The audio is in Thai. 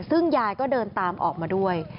ซึ่งยายก็เดินตามออกมาด้วย